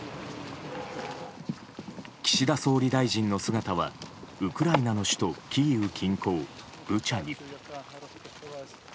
岸田総理大臣の姿はウクライナの首都キーウ近郊ブチャに。